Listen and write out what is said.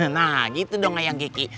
nah gitu dong ayang kiki